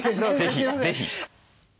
ぜひぜひ。